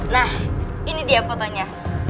nah ini dia fotonya